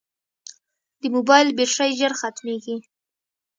د موبایل بیټرۍ ژر ختمیږي.